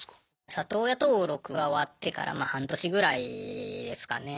里親登録が終わってからま半年ぐらいですかね。